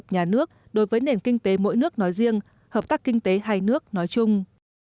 nói riêng hợp tác kinh tế hai nước nói chung